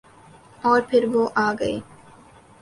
اورپھر وہ آگئے۔